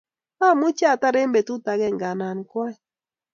Amuchi atar eng' petut akenge anan ko aeng'.